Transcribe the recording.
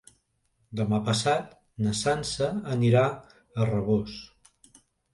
Demà passat na Sança anirà a Rabós.